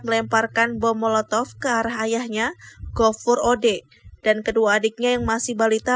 meletakkan bom molotov ke arahnya gopur od dan kedua adiknya yang masih balita